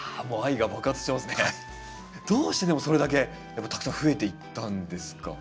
どうしてでもそれだけたくさん増えていったんですか？